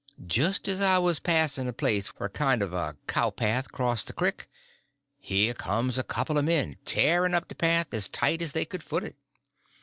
Just as I was passing a place where a kind of a cowpath crossed the crick, here comes a couple of men tearing up the path as tight as they could foot it.